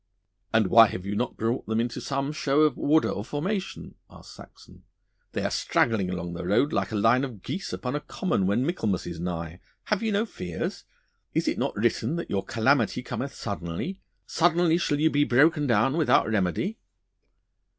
'And why have you not brought them into some show of order or formation?' asked Saxon. 'They are straggling along the road like a line of geese upon a common when Michaelmas is nigh. Have you no fears? Is it not written that your calamity cometh suddenly suddenly shall you be broken down without remedy?